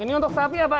ini untuk sapi apa ya